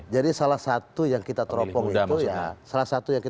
jadi salah satu yang kita teropong itu